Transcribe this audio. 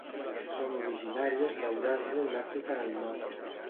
Són originàries d'Euràsia i l'Àfrica del nord.